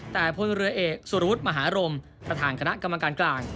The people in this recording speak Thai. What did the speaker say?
แต่พลเรือเอกสุรวุฒิมหารมประธานคณะกรรมการกลาง